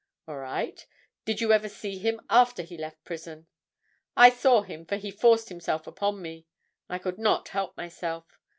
"All right. Did you ever see him after he left prison?" "I saw him, for he forced himself upon me—I could not help myself.